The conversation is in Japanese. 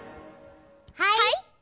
はい？